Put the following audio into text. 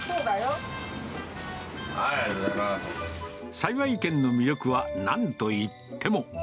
幸軒の魅力は、なんといっても。